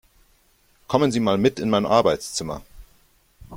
Kommen Sie mal mit in mein Arbeitszimmer!